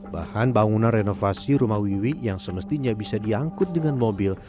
bahan bangunan renovasi rumah wiwi yang semestinya bisa diangkut dengan mobil